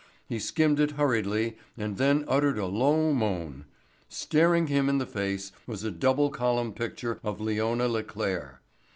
He skimmed it hurriedly and then uttered a low moan. Staring him in the face was a double column picture of Leona Le Claire.